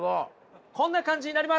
こんな感じになります。